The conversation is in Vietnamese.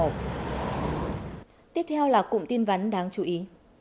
tiếp theo là cùng tin vánh đáng chú ý